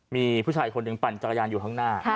มีผู้ชายคนหนึ่งปั่นจักรยานอยู่ข้างหน้า